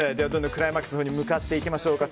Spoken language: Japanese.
クライマックスのほうに向かっていきましょうか。